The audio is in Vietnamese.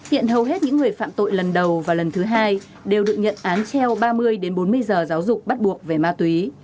hiện hầu hết những người phạm tội lần đầu và lần thứ hai đều được nhận án treo ba mươi đến bốn mươi giờ giáo dục bắt buộc về ma túy